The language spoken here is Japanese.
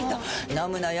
飲むのよ